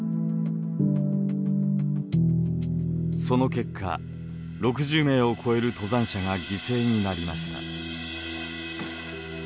その結果６０名を超える登山者が犠牲になりました。